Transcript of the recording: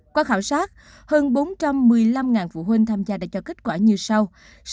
qua khảo sát hơn bốn trăm một mươi năm phụ huynh tham gia đã cho kết quả như sau